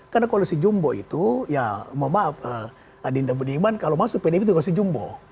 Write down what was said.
karena koalisi jumbo itu ya mohon maaf adinda beniman kalau masuk pdp itu koalisi jumbo